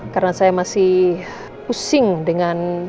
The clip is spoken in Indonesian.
karena saya masih pusing dengan